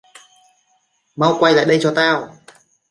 mau quay lại đây cho tao